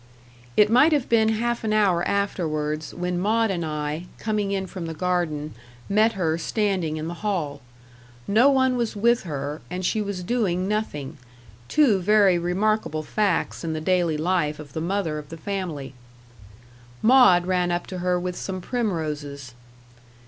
It might have been half an hour afterwards, when Maud and I, coming in from the garden, met her standing in the hall. No one was with her, and she was doing nothing; two very remarkable facts in the daily life of the mother of the family. Maud ran up to her with some primroses.